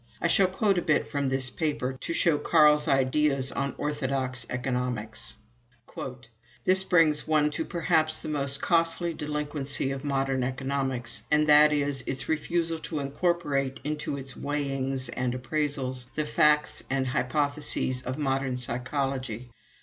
I shall quote a bit from this paper to show Carl's ideas on orthodox economics. "This brings one to perhaps the most costly delinquency of modern Economics, and that is its refusal to incorporate into its weighings and appraisals the facts and hypotheses of modern psychology.